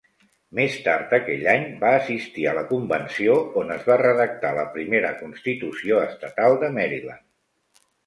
Més tard aquell any va assistir a la Convenció on es va redactar la primera constitució estatal de Maryland.